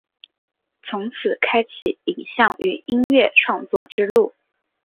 从此开启影像与音乐创作之路。